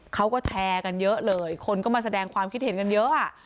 เขาก็แชร์กันเยอะเลยคนก็มาแสดงความคิดเห็นกันเยอะอ่ะ